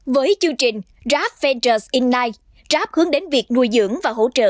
với chương trình grab ventures ignite grab hướng đến việc nuôi dưỡng và hỗ trợ